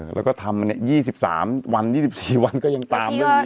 แล้วก็ทำมา๒๓วัน๒๔วันก็ยังตามเรื่องนี้